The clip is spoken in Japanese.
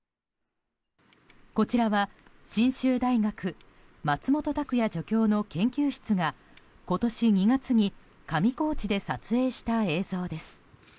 こちらは、信州大学松本卓也助教の研究室が今年２月に上高地で撮影した映像です。